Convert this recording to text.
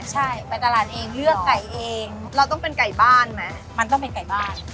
ใช่ไปตลาดเองเลือกไก่เองเราต้องเป็นไก่บ้านไหมมันต้องเป็นไก่บ้าน